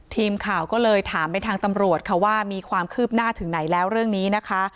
ทีมข่าวก็เลยถามไปทางตำรวจค่ะว่ามีความคืบหน้าถึงไหนแล้วเรื่องนี้นะคะ